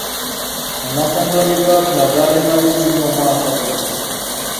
Amakungula ge twafuna gaali mabi nnyo omwaka guno.